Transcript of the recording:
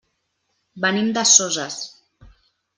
Venim de Soses.